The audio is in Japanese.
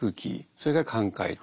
それから寛解と。